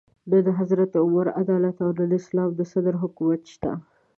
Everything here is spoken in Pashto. نه د حضرت عمر عدالت او نه د اسلام د صدر حکومت شته.